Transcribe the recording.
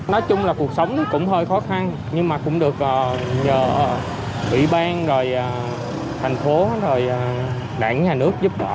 nói chung là cuộc sống cũng hơi khó khăn nhưng mà cũng được nhờ ủy ban rồi thành phố rồi đảng nhà nước giúp đỡ